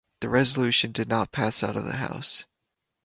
The resolution did not pass out of the House.